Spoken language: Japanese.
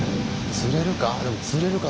釣れるか？